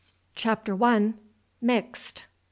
CHAPTER I MIXED!